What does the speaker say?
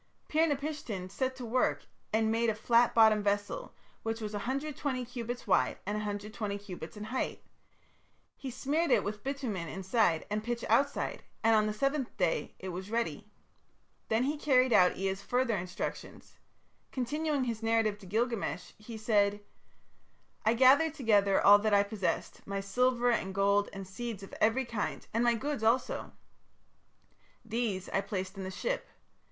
Pir napishtim set to work and made a flat bottomed vessel, which was 120 cubits wide and 120 cubits in height. He smeared it with bitumen inside and pitch outside; and on the seventh day it was ready. Then he carried out Ea's further instructions. Continuing his narrative to Gilgamesh, he said: "I gathered together all that I possessed, my silver and gold and seeds of every kind, and my goods also. These I placed in the ship.